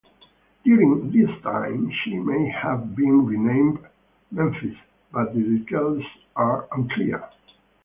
During this time she may have been renamed "Memphis" but the details are unclear.